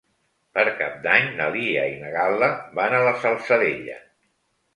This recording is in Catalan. Per Cap d'Any na Lia i na Gal·la van a la Salzadella.